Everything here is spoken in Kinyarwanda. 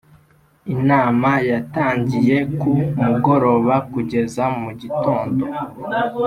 Inama yatangiye ku mugoroba kugeza mu gitondo